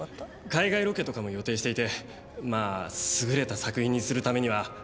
海外ロケとかも予定していてまあ優れた作品にするためにはそれなりに費用がどうしても。